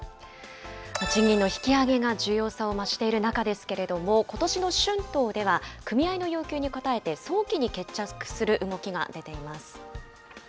賃金の引き上げが重要さを増している中ですけれども、ことしの春闘では、組合の要求に応えて、早期に決着する動きが出ています。